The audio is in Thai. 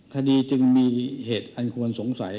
คดีจึงมีเหตุอันควรสงสัย